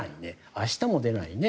明日も出ないね